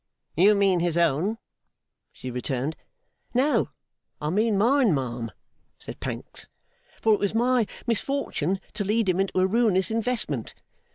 'You mean his own,' she returned. 'No, I mean mine, ma'am,' said Pancks, 'for it was my misfortune to lead him into a ruinous investment.